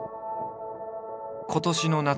今年の夏